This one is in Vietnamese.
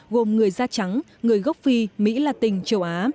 gồm người da trắng người gốc phi mỹ latin châu á